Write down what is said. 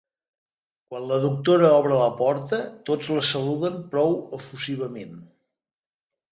Quan la doctora obre la porta tots la saluden prou efusivament.